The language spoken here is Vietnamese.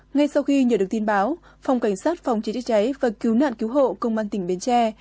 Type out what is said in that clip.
ngay sau khi nhận được tin báo phòng cảnh sát phòng cháy chữa cháy và cứu nạn cứu hộ công an tỉnh bến tre